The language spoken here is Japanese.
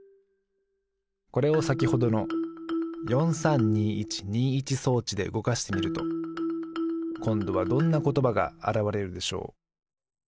これをさきほどの４３２１２１装置でうごかしてみるとこんどはどんなことばがあらわれるでしょう？